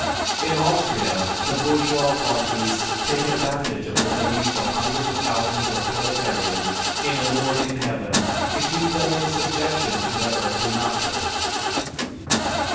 In Austria the bourgeois parties take advantage of the belief of hundreds of thousands of proletarians in a Lord in Heaven to keep them in subjection to their earthly masters."